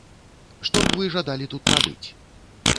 Што б вы жадалі тут набыць?